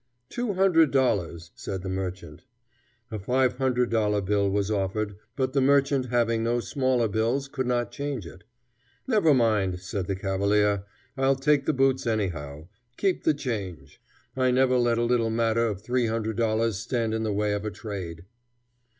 "Two hundred dollars," said the merchant. A five hundred dollar bill was offered, but the merchant, having no smaller bills, could not change it. "Never mind," said the cavalier, "I'll take the boots anyhow. Keep the change; I never let a little matter of three hundred dollars stand in the way of a trade."